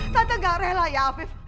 tapi gak rela ya afif